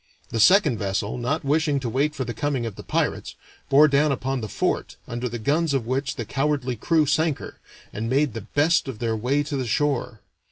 The second vessel, not wishing to wait for the coming of the pirates, bore down upon the fort, under the guns of which the cowardly crew sank her, and made the best of their way to the shore.